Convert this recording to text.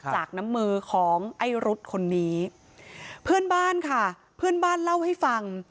จากน้ำมือของไอ้รุดคนนี้เพื่อนบ้านค่ะเพื่อนบ้านเล่าให้ฟัง